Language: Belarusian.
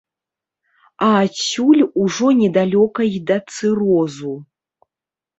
А адсюль ужо недалёка і да цырозу.